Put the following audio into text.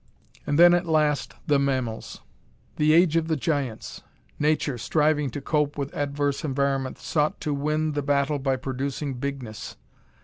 And then, at last, the mammals. The age of the giants! Nature, striving to cope with adverse environment sought to win the battle by producing bigness.